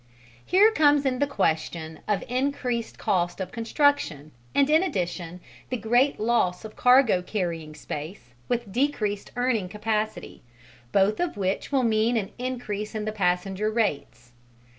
Here comes in the question of increased cost of construction, and in addition the great loss of cargo carrying space with decreased earning capacity, both of which will mean an increase in the passenger rates.